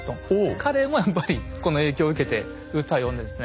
彼もやっぱりこの影響を受けて歌を詠んでるんですね。